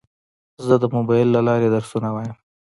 زه د موبایل له لارې درسونه وایم.